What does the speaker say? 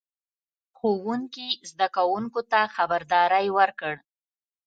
ښوونکي زده کوونکو ته خبرداری ورکړ.